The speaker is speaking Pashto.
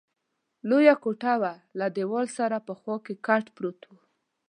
لویه کوټه وه، له دېوال سره په خوا کې کټ پروت وو.